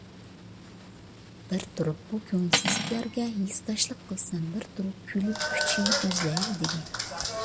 بىر تۇرۇپ بۇ كۆڭۈلسىزلىكلەرگە ھېسداشلىق قىلسام، بىر تۇرۇپ كۈلۈپ ئۈچىيىم ئۈزۈلەيلا دېدى.